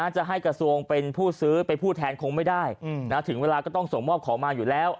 จะให้กระทรวงเป็นผู้ซื้อเป็นผู้แทนคงไม่ได้ถึงเวลาก็ต้องส่งมอบของมาอยู่แล้ว